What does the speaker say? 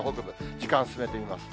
時間進めてみます。